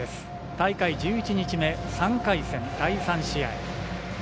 大会１１日目、３回戦第３試合。